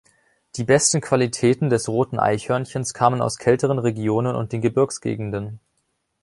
Die besten Qualitäten des roten Eichhörnchens kamen aus kälteren Regionen und den Gebirgsgegenden.